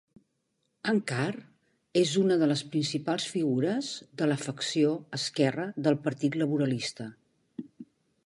En Carr és una de les principals figures de la facció esquerra del Partit Laborista.